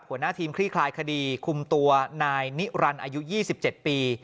หัวหน้าทีมคลี่คลายคดีคุมตัวนายนิรันดิ์อายุ๒๗ปี